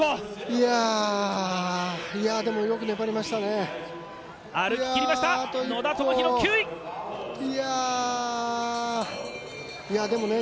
いやあでもよく粘りましたね。